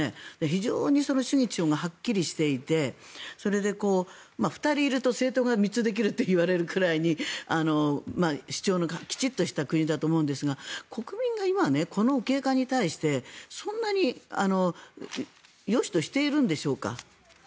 非常に主義主張がはっきりしていて２人いると政党が３つできるといわれるくらいに主張のきちっとした国だと思うんですが国民が今、この右傾化に対してそんなによしとしているんでしょうか。